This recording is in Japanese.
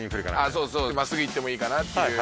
そうそうまっすぐいってもいいかなっていう。